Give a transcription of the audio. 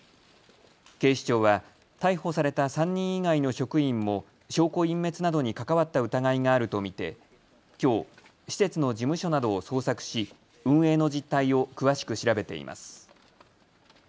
警視庁は逮捕された３人以外の職員も証拠隠滅などに関わった疑いがあると見てきょう施設の事務所などを捜索し運営の実態を詳しく調べています。